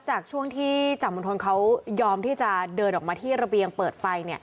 จากช่วงที่จ่ามณฑลเขายอมที่จะเดินออกมาที่ระเบียงเปิดไฟ